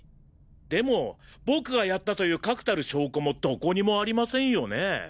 でも僕がやったという確たる証拠もどこにもありませんよね？